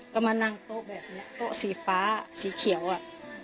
ก็มานั่งโต๊ะแบบนี้โต๊ะสีฟ้าสีเขียวอ่ะ